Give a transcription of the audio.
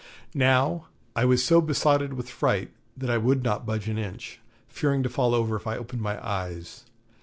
Now, I was so besotted with fright that I would not budge an inch, fearing to fall over if I opened my eyes.